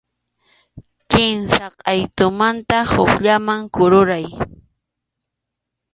Kimsa qʼaytumanta hukllaman kururay.